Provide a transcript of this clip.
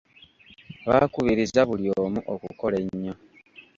Baakubiriza buli omu okukola ennyo.